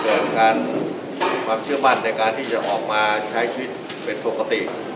ความเชื่อมั่นในการที่จะออกมาใช้ชีวิตเป็นปกติ